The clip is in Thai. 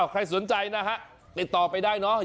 ใครสนใจนะฮะติดต่อไปได้เนาะ